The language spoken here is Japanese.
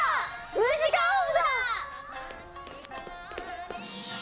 ムジカオーブだ！